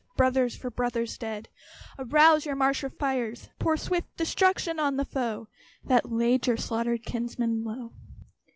Brothers, for brothers dead, Arouse your martial fires! Pour swift destruction on the foe That laid your slaughtered kinsmen low.